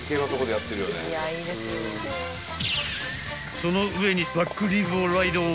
［その上にバックリブをライドオン］